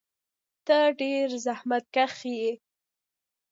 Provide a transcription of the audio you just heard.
ته ډېر زحمتکښ یې.